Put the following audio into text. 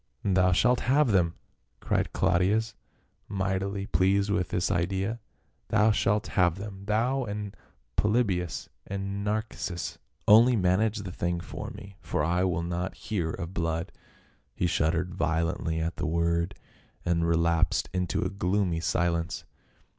" Thou shalt have them !" cried Claudius, mightily pleased with this idea, " thou shalt have them — thou and Polybius and Narcissus ; only manage the thing for me, for I will not hear of blood," he shuddered violently at the word and relapsed into a gloomy silence.